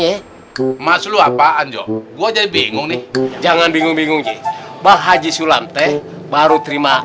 ya mas lu apaan jok gue jadi bingung nih jangan bingung bingung bang haji sulam teh baru terima